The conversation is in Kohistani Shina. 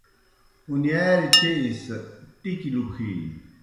اُنِیاریْ چیئی سی ٹِکیْ لُکِھینیْ۔